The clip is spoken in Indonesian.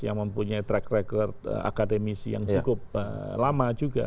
yang mempunyai track record akademisi yang cukup lama juga